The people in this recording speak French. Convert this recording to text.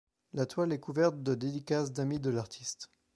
La toile est couverte de dédicaces d'amis de l'artiste.